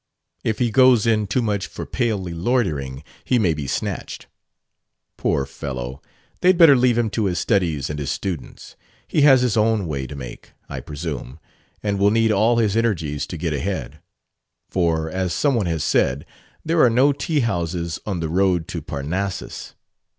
"If he goes in too much for 'palely loitering' he may be snatched." "Poor fellow! They'd better leave him to his studies and his students. He has his own way to make, I presume, and will need all his energies to get ahead. For, as some one has said, 'There are no tea houses on the road to Parnassus.'